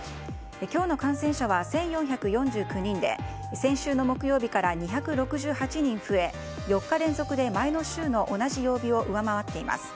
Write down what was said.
今日の感染者は１４４９人で先週の木曜日から２６８人増え４日連続で前の週の同じ曜日を上回っています。